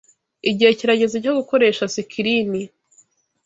igihe kirageze cyo gukoresha sikirini